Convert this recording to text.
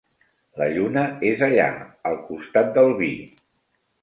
La lluna és allà, al costat del vi.